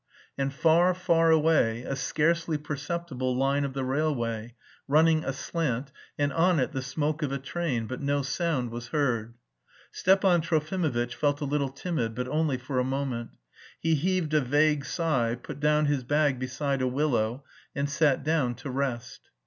And far, far away a scarcely perceptible line of the railway, running aslant, and on it the smoke of a train, but no sound was heard. Stepan Trofimovitch felt a little timid, but only for a moment. He heaved a vague sigh, put down his bag beside a willow, and sat down to rest.